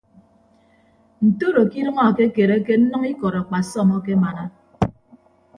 Ntoro ke idʌñ akekereke nnʌñ ikọd akpasọm akemana.